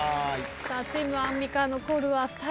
チームアンミカ残るは２人。